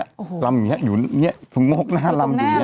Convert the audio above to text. รำอย่างนี้อยู่นี่ถุงโก๊กหน้ารำอยู่นี่